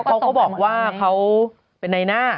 เขาก็บอกว่าเขาเป็นในหน้า